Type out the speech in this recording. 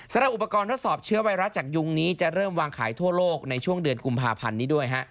สำหรับอุปกรณ์ทดสอบเชื้อไวรัสจากยุงนี้จะเริ่มวางขายทั่วโลกในช่วงเดือนกุมภาพันธ์นี้ด้วย